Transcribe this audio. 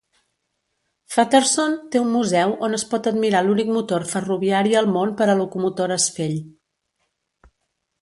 Featherston té un museu on es pot admirar l'únic motor ferroviari al món per a locomotores Fell.